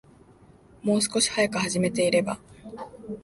もう少し早く始めていれば